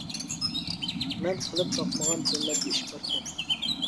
مەن قىلىپ باقمىغان بىرنەچچە ئىش باركەن.